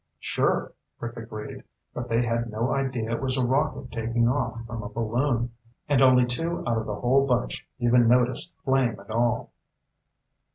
"Sure," Rick agreed, "but they had no idea it was a rocket taking off from a balloon. And only two out of the whole bunch even noticed flame at all."